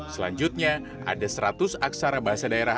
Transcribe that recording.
selanjutnya ada seratus aksara bahasa daerah